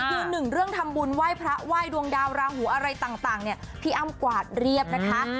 คือหนึ่งเรื่องทำบุญไหว้พระไหว้ดวงดาวราหูอะไรต่างเนี่ยพี่อ้ำกวาดเรียบนะคะ